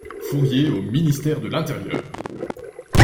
Fourier au ministère de l'Intérieur!